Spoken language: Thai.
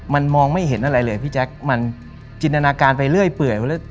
มันมองไม่เห็นอะไรเลยพี่แจ๊คมันจินตนาการไปเรื่อยเปื่อย